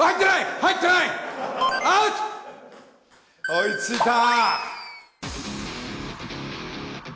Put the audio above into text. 追いついた！